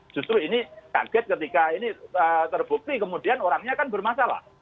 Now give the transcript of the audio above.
justru ini kaget ketika ini terbukti kemudian orangnya kan bermasalah